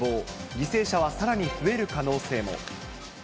犠牲者はさらに増える可能性も。